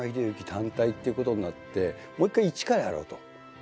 単体っていうことになってもう一回一からやろうということになって。